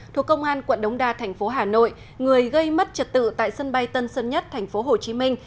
thuộc công an quận đống đa tp hà nội người gây mất trật tự tại sân bay tân sơn nhất tp hồ chí minh